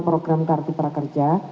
program kartu prakerja